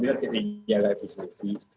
biar kita bisa menjaga efisiensi